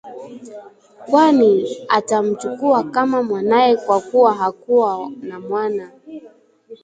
kwani atamchukua kama mwanaye kwa kuwa hakuwa na mwana